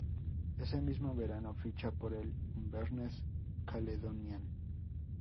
Ese mismo verano ficha por el Inverness Caledonian.